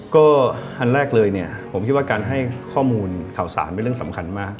ก็อันแรกเลยเนี่ยผมคิดว่าการให้ข้อมูลข่าวสารเป็นเรื่องสำคัญมาก